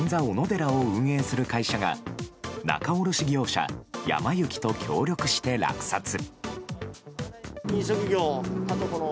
おのでらを運営する会社が仲卸業者やま幸と協力して落札。